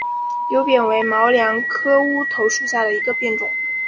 牛扁为毛茛科乌头属下的一个变种。